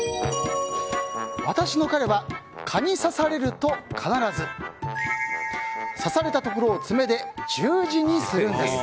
私の彼は蚊に刺されると必ず刺されたところを爪で十字にするんです。